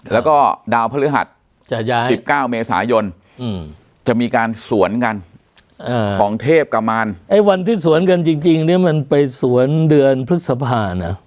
แล้วก็ดาวพฤหัส๑๙เมษายนจะมีการสวนกันของเทพกับมารไอ้วันที่สวนกันจริงเนี่ยมันไปสวนเดือนพฤษภานะ